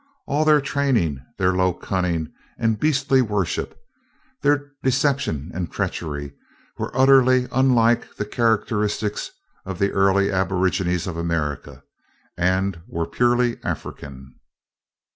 All their training, their low cunning and beastly worship, their deception and treachery were utterly unlike the characteristics of the early aborigines of America, and were purely African.